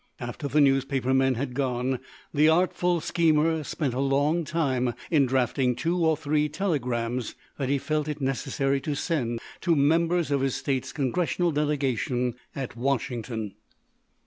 After the newspaper men had gone the artful schemer spent a long time in drafting two or three telegrams that he felt it necessary to send to members of his state's Congressional delegation at Washington.